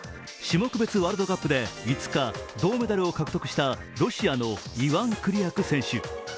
種目別ワールドカップで５日、銅メダルを獲得したロシアのイワン・クリアク選手。